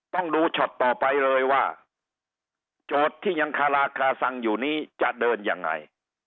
ต้องดูช็อตต่อไปเลยว่าโจทย์ที่ยังคาราคาซังอยู่นี้จะเดินยังไง